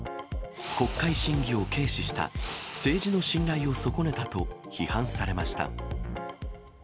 国会審議を軽視した、政治の信頼を損ねたと、批判されました。